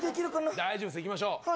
大丈夫です、いきましょう。